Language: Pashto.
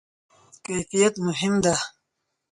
کیفیت مهم ده؟